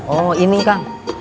oh ini kang